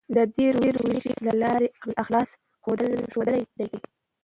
ده د روژې له لارې اخلاص ښودلی دی.